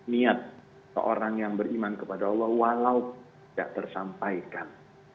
niat seorang yang beriman kepada allah walau tidak tersampaikan